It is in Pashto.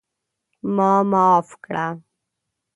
ما معاف کړه!